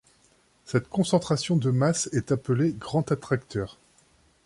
Cette concentration de masse est appelée Grand attracteur.